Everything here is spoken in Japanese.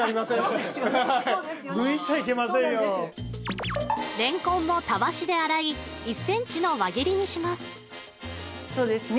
れんこんもたわしで洗い１ｃｍの輪切りにしますそうですね